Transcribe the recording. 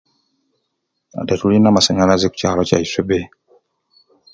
Aah tetulina masanyalaze kukyalo kyaiswe bee.